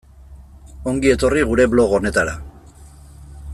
Ongi etorri gure blog honetara.